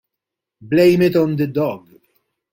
Blame it on the Dog!